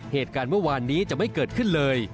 เหตุการณ์เมื่อวานนี้จะไม่เกิดขึ้นเลย